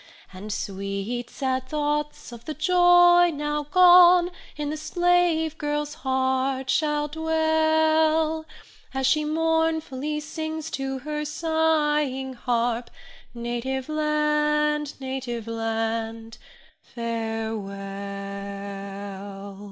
And sweet, sad thoughts of the joy now gone, In the slave girl's heart shall dwell, As she mournfully sings to her sighing harp, Native land, native land, farewell!